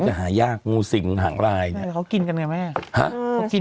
ก็อาจจะไม่รู้ว่าเขามีพิษอะไรไม่มีพิษ